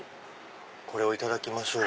これをいただきましょう。